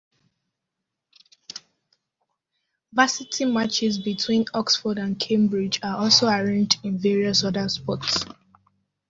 Varsity matches between Oxford and Cambridge are also arranged in various other sports.